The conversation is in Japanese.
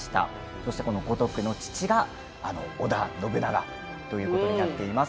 そしてこの五徳の父があの織田信長ということになっています。